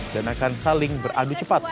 dan akan saling beradu cepat